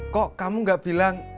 kok kamu gak bilang